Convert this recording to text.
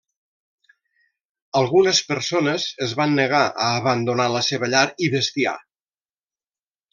Algunes persones es van negar a abandonar la seva llar i bestiar.